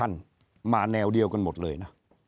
นั่นมาแนวเดียวกันหมดเลยนะ